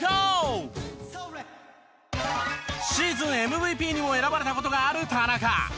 シーズンＭＶＰにも選ばれた事がある田中。